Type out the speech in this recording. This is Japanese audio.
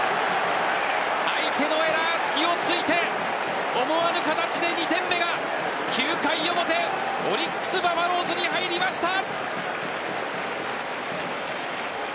相手のエラー、隙を突いて思わぬ形で２点目が９回表オリックス・バファローズに入りました。